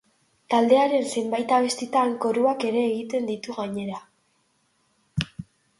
Taldearen zenbait abestitan koruak ere egiten ditu gainera.